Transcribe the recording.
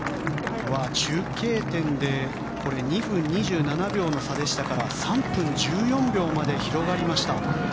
中継点で２分２７秒の差でしたから３分１４秒まで広がりました。